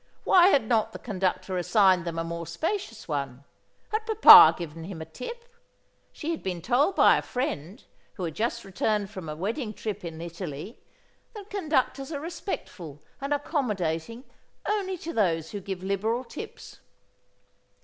Why had not the conductor assigned them a more spacious one? Had papa given him a tip? She had been told by a friend who had just returned from a wedding trip in Italy that conductors are respectful and accommodating only to those who give liberal tips.